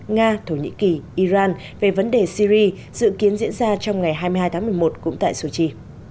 nga thổ nhĩ kỳ iran về vấn đề syri dự kiến diễn ra trong ngày hai mươi hai tháng một mươi một cũng tại sochi